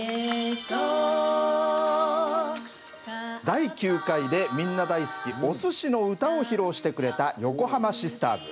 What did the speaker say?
第９回でみんな大好きおすしの歌を披露してくれた横濱シスターズ。